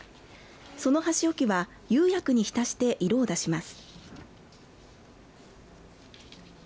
その箸置きは釉薬に浸して色を出します。